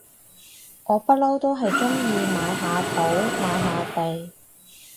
我不嬲都係中意買下土買下地